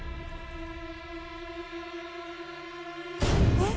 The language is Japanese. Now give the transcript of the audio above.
えっ？